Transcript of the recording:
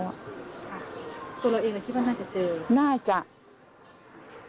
ตัวเราเองก็คิดว่าน่าจะเจอ